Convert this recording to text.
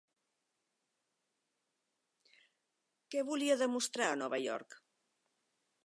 Què volia demostrar a Nova York?